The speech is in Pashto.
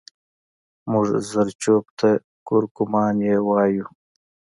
مونږ زرچوب ته کورکمان يايو